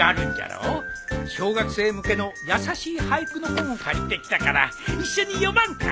小学生向けの優しい俳句の本を借りてきたから一緒に読まんか？